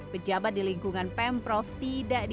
pejabat di lingkungan pemprov tidak di